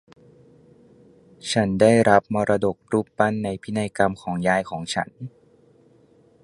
ฉันได้รับมรดกรูปปั้นในพินัยกรรมของยายของฉัน